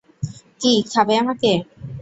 কী খাবে আমাকে?